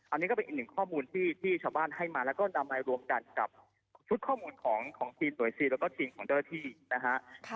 อันนี้ก็เป็นอีกหนึ่งข้อมูลที่ชาวบ้านให้มาแล้วก็นำมารวมกันกับชุดข้อมูลของทีมหน่วยซีนแล้วก็ทีมของเจ้าหน้าที่นะฮะ